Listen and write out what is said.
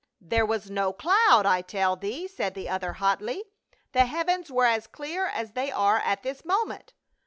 "There was no cloud, I tell thee," said the other hotly. " The heavens were as clear as they are at this moment."